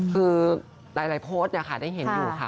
คือหลายโพสต์เนี่ยค่ะได้เห็นอยู่ค่ะ